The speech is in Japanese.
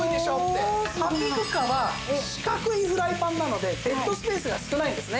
ハッピークッカーは四角いフライパンなのでデッドスペースが少ないんですね。